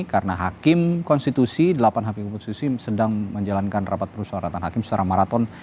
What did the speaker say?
karena hakim konstitusi delapan hakim konstitusi sedang menjalankan rapat penyelamatan hakim secara maraton